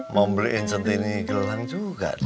mau beliin sentini gelang juga di